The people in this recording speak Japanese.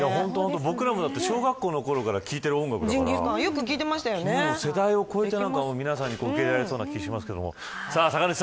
僕らも小学校のころから聞いている音楽だから世代を超えて皆さんに受け入れられそうな気がします。